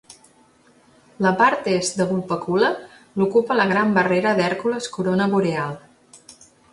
La part est de Vulpecula l'ocupa la gran barrera d'Hèrcules-Corona Boreal.